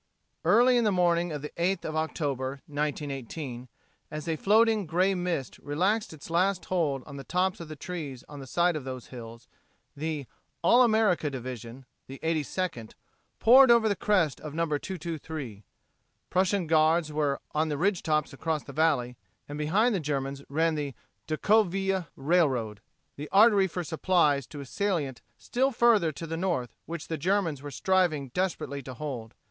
Early in the morning of the eighth of October, 1918, as a floating gray mist relaxed its last hold on the tops of the trees on the sides of those hills, the "All America" Division the Eighty Second poured over the crest of No. 223. Prussian Guards were on the ridge tops across the valley, and behind the Germans ran the Decauville Railroad the artery for supplies to a salient still further to the north which the Germans were striving desperately to hold.